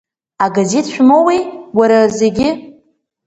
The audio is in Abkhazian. Агазеҭ шәмоуеи, уара зегьы?